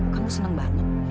kamu seneng banget